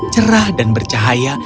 cerah dan bercahaya